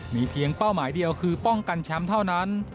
มีเพียงเป้าหมายเดียวคือป้องกันแชมป์เท่านั้น